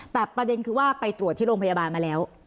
แต่ประเด็นคือว่าไปตรวจที่โรงพยาบาลมาแล้ว